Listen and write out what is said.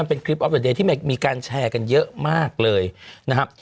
มันเป็นคลิปที่มีการแชร์กันเยอะมากเลยนะครับ